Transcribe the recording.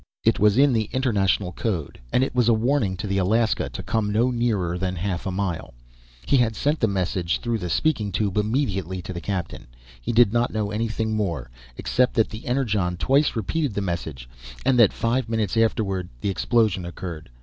It was in the international code, and it was a warning to the Alaska to come no nearer than half a mile. He had sent the message, through the speaking tube, immediately to the captain. He did not know anything more, except that the Energon twice repeated the message and that five minutes afterward the explosion occurred.